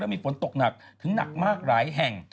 มีฝนตกหนักถึงหนักมากหลายแห่ง